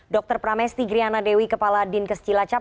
dr pramesti griana dewi kepala din kecilacap